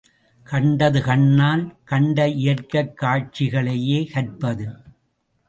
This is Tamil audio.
கண்டது கண்ணால் கண்ட இயற்கைக் காட்சி களையே கற்பது.